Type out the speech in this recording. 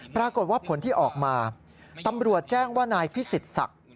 ปรากฏว่าผลที่ออกมาตำรวจแจ้งว่านายพิสิทธิ์ศักดิ์